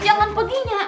jangan pergi nya